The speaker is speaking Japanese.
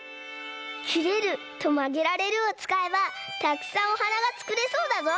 「きれる」と「まげられる」をつかえばたくさんおはながつくれそうだぞ！